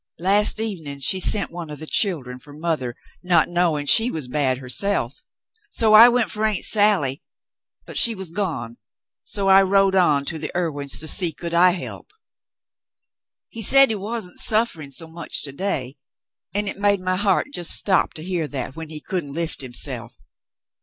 Last evening she sent one of the children for mother, not knowing she was bad herself, so I went for Aunt Sally ; but she was gone, so I rode on to the Irwins to see could I help. He said he wasn't suffering so much to day, and it made my heart just stop to hear that, when he couldn't lift himself.